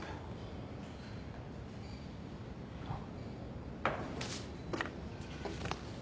あっ。